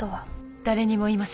誰にも言いません。